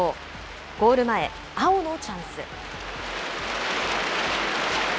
ゴール前、青のチャンス。